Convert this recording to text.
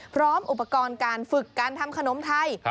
พร้อมอุปกรณ์การฝึกการทำขนมไทย